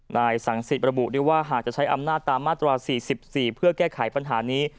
นายสังสิทธิ์ระบุด้วยว่าหากจะใช้อำนาจตามมาตรา๔๔เพื่อแก้ไขปัญหานี้